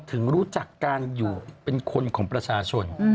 ถึงรู้จักการอยู่เป็นคนของประชาชน